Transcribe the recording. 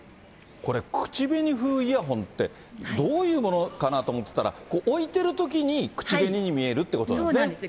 これ、口紅風イヤホンって、どういうものかなと思ってたら、置いてるときに、口紅に見えるってことなんですね。